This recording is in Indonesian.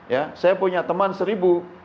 ya saya punya teman seribu